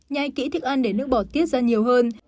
nhai kỹ thức ăn để nước bỏ tiết ra nhiều hơn